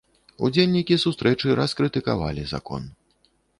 Удзельнікі сустрэчы раскрытыкавалі закон.